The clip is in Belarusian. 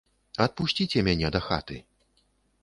Адпусціце мяне да хаты.